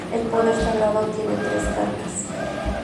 El poder sagrado tiene tres cargas.